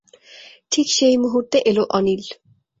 ঠিক সেই মুহূর্তে এল অনিল।